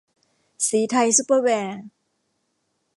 ศรีไทยซุปเปอร์แวร์